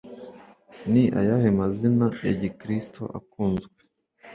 Ni ayahe mazina ya gikristo akunzwe